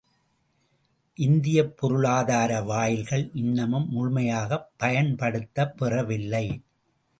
இந்தியப் பொருளாதார வாயில்கள் இன்னமும் முழுமையாகப் பயன்படுத்தப் பெறவில்லை!